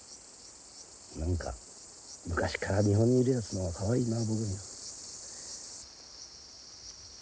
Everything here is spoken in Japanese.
何か昔から日本にいるやつもかわいいな。